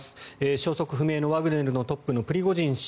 消息不明のワグネルのトップのプリゴジン氏。